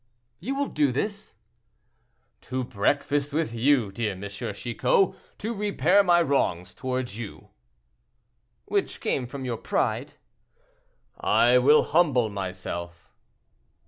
"You will do this?" "To breakfast with you, dear M. Chicot—to repair my wrongs toward you." "Which came from your pride." "I will humble myself."